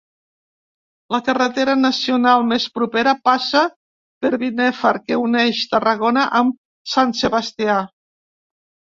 La carretera nacional més propera passa per Binéfar, que uneix Tarragona amb Sant Sebastià.